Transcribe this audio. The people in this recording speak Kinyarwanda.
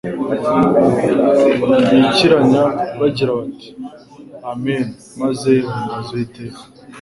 bikiranya bagira bati: Amen! Maze bahimbaza Uwiteka.